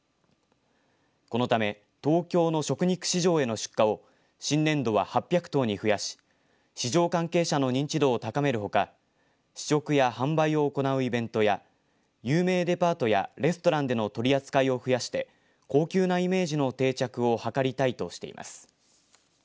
このため東京の食肉市場への出荷を新年度は８００頭に増やし市場関係者の認知度を高めるほか試食や販売を行うイベントや有名デパートやレストランでの取り扱いを増やして高級なイメージの定着を図りたいとしています。